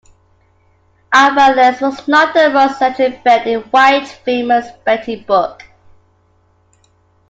Alvanley's was not the most eccentric bet in White's famous betting book.